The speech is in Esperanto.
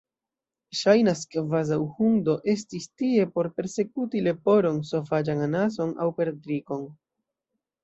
Ŝajnas kvazaŭ hundo estis tie por persekuti leporon, sovaĝan anason aŭ perdrikon.